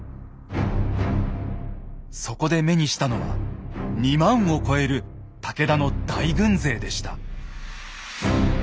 そこで目にしたのは２０，０００を超える武田の大軍勢でした。